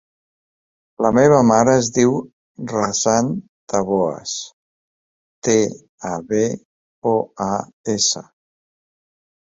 La meva mare es diu Razan Taboas: te, a, be, o, a, essa.